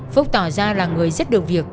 phúc tỏ ra là người rất được việc